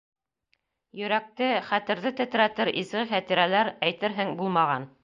Йөрәкте, хәтерҙе тетрәтер изге хәтирәләр, әйтерһең, булмаған.